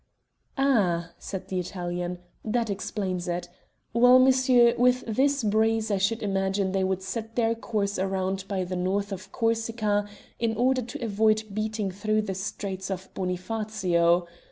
"Ah," said the Italian, "that explains it. Well, monsieur, with this breeze I should imagine they would set their course round by the north of Corsica in order to avoid beating through the Straits of Bonifacio.